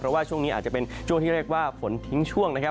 เพราะว่าช่วงนี้อาจจะเป็นช่วงที่เรียกว่าฝนทิ้งช่วงนะครับ